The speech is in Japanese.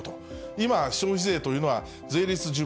今、消費税というのは、税率１０